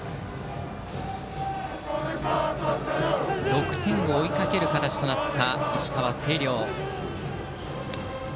６点を追いかける形、石川・星稜。